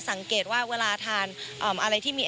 สังเกตว่าเวลาทานอะไรที่มี